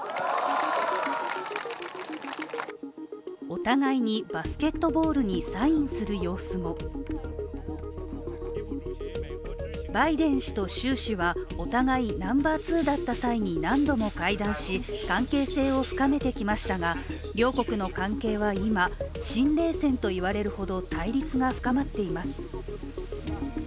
お互いにバスケットボールにサインする様子もバイデン氏と習氏はお互いナンバー２だった際に何度も会談し、関係性を深めてきましたが、両国の関係は今、新冷戦と言われるほど対立が深まっています。